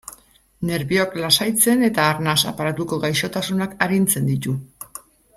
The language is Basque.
Nerbioak lasaitzen eta arnas aparatuko gaixotasunak arintzen ditu.